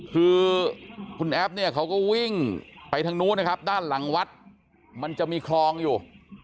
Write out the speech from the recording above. คือคุณแอฟเนี่ยเขาก็วิ่งไปทางนู้นนะครับด้านหลังวัดมันจะมีคลองอยู่